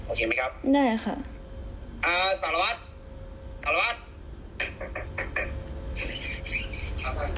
โอเคไหมครับได้ค่ะอ่าสารวัฒน์สารวัฒน์